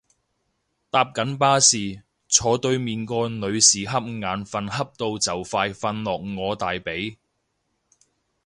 搭緊巴士，坐對面個女士恰眼瞓恰到就快瞓落我大髀